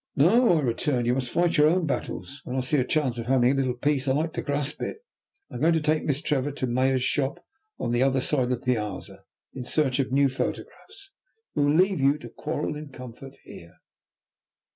"No," I returned; "you must fight your own battles. When I see a chance of having a little peace I like to grasp it. I am going to take Miss Trevor to Maya's shop on the other side of the piazza, in search of new photographs. We will leave you to quarrel in comfort here."